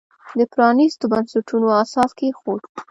د پرانیستو بنسټونو اساس کېښود.